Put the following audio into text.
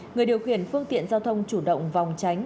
người điều khiển phương tiện giao thông chủ động phòng tránh